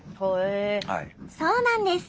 そうなんです。